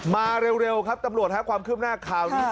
เร็วครับตำรวจครับความคืบหน้าข่าวนี้